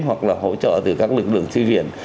hoặc là hỗ trợ từ các lực lượng thư viện